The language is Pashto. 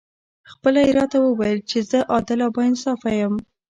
خپله یې راته وویل چې زه عادل او با انصافه یم.